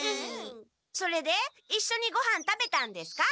それでいっしょにごはん食べたんですか？